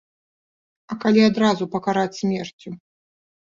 А калі адразу пакараць смерцю?!